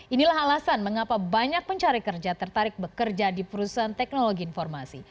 inilah alasan mengapa banyak pencari kerja tertarik bekerja di perusahaan teknologi informasi